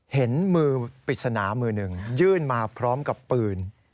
เห็นมือปริศนามือหนึ่งยื่นมาพร้อมกับปืน